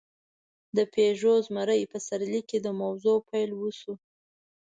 د «پيژو زمری» په سرلیک د موضوع پېل وشو.